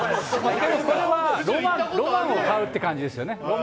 でも、これはロマンを買うって感じですよね。